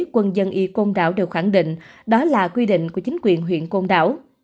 quân dân y côn đảo đều khẳng định đó là quy định của chính quyền huyện côn đảo